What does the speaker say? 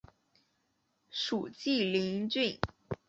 属晋陵郡。